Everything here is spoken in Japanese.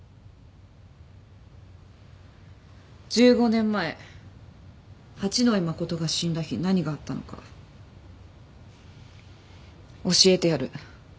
１５年前八野衣真が死んだ日何があったのか教えてやる。